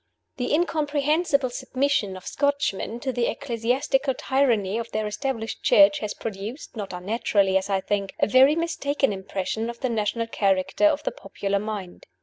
THE incomprehensible submission of Scotchmen to the ecclesiastical tyranny of their Established Church has produced not unnaturally, as I think a very mistaken impression of the national character in the popular mind.